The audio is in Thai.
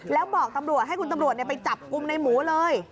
แล้วบอกตำรวจให้คุณตำรวจไปจับกลุ่มในหมูเลย